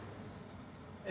え